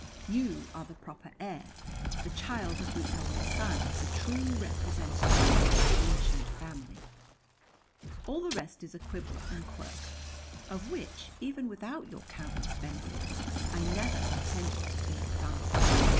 You are the proper heir, the child of the elder son, the true representative of our ancient family. All the rest is a quibble and quirk, of which, even without your countless benefits, I never intended to take advantage.